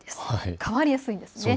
変わりやすいんです。